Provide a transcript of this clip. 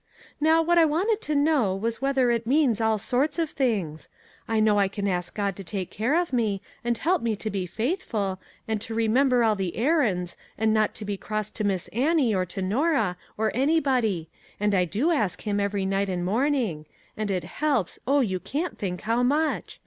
Now, what I wanted to know was whether it means all sorts of things. I know I can ask God to take care of me, and help me to be faith ful, and to remember all the errands, and not to be cross to Miss Annie, or to Norah, or any body ; and I do ask him every night and morn ing; and it helps, oh, you can't think how much!